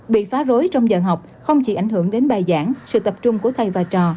bị phá rối trong giờ học không chỉ ảnh hưởng đến bài giảng sự tập trung của thầy và trò